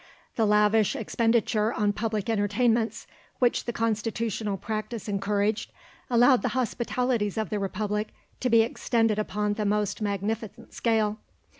The lavish expenditure on public entertainments, which the constitutional practice encouraged, allowed the hospitalities of the Republic to be extended upon the most magnificent scale.